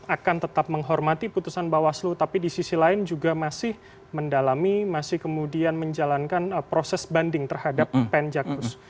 akan tetap menghormati putusan bawaslu tapi di sisi lain juga masih mendalami masih kemudian menjalankan proses banding terhadap penjakus